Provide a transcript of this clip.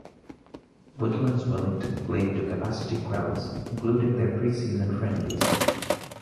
Woodlands Wellington played to capacity crowds, including their pre-season friendlies.